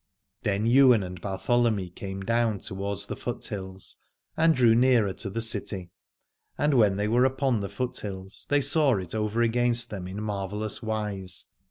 Then Ywain and Bartholomy came down towards the foothills and drew nearer to the city : and when they were upon the foothills they saw it over against them in marvellous wise.